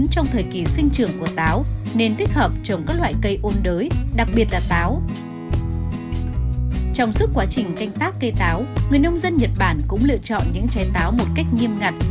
trong suốt quá trình canh tác cây táo người nông dân nhật bản cũng lựa chọn những trái táo một cách nghiêm ngặt